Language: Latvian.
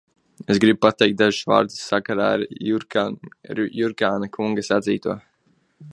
Es gribu pateikt dažus vārdus sakarā ar Jurkāna kunga sacīto.